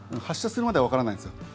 発射するまではわからないんですよ。